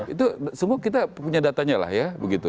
itu semua kita punya datanya lah ya begitu